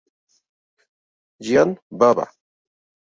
Giant Baba